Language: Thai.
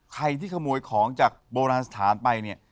ใครที่ขโมยของจากโบราณสถานไปเนี่ย